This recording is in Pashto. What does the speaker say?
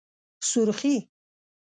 💄سورخي